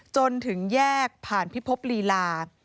จนถึงแยกผ่านพิภพลีลา